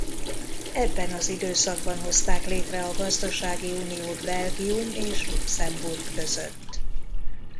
Ebben az időszakban hozták létre a gazdasági uniót Belgium és Luxemburg között.